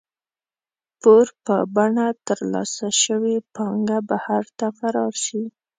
پور په بڼه ترلاسه شوې پانګه بهر ته فرار شي.